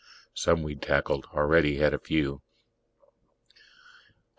Some we'd tackled already had a few.